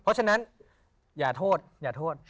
เพราะฉะนั้นอย่าโทษอย่าโทษ